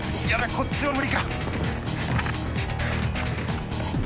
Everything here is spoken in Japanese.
こっちは無理か。